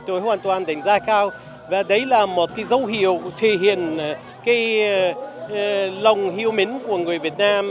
tôi hoàn toàn đánh giá cao và đấy là một dấu hiệu thể hiện lòng hiểu mến của người việt nam